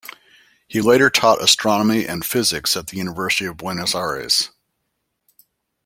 He later taught astronomy and physics at the University of Buenos Aires.